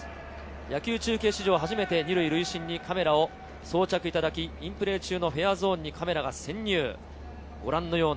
野球中継史上初めて２塁塁審にカメラを装着いただき、インプレー中のフェアゾーンにカメラが潜入。